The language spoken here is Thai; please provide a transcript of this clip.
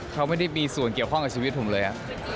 เขาไม่ได้มีส่วนเกี่ยวข้องกับชีวิตผมเลย